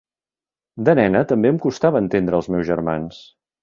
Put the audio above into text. De nena també em costava entendre els meus germans.